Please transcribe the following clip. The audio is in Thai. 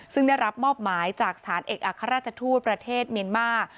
ซึ่งได้รับมอบหมายจากสถานเอกอัครราชทูตประเทศเมียนมาร์